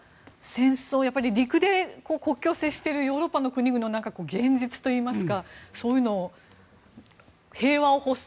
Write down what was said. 陸で国境を接しているヨーロッパの国々の現実といいますかそういうのを平和を欲っ